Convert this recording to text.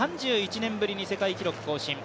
３１年ぶりに世界記録を更新。